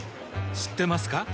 知ってますか？